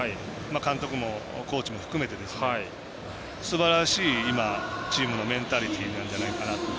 監督もコーチも含めてすばらしい今チームのメンタリティーなんじゃないかなと。